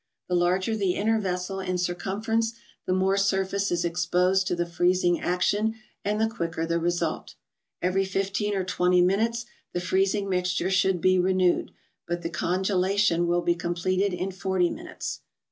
The larger the inner vessel in circumference, the more surface is exposed to the freezing action, and the quicker the result. Every fifteen or THE BOOK OF ICES. 78 twenty minutes the freezing mixture should be renewed, but the congelation will be completed in forty minutes.